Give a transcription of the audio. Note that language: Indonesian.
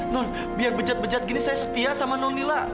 non biar bejat bejat gini saya setia sama nonila